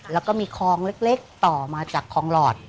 แล้วก็มีคลองเล็กต่อมาจากคลองหลอด